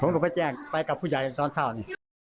ผมก็ไปแจ้งไปกับผู้ใหญ่ตอนเช้านี่